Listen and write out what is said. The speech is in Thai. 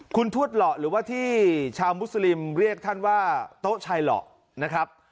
คุณทวดเหลาะหรือว่าที่ชาวมุสลิมเรียกท่านว่าโต๊ะชายหล่อนะครับ